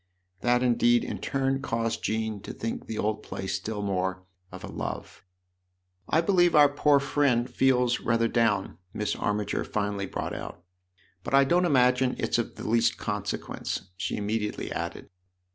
That indeed in turn caused Jean to think the old place still more of a " love." 11 1 believe our poor friend feels rather down," Miss Armiger finally brought out. "But I don't THE OTHER HOUSE 17 imagine it's of the least consequence," she im mediately added.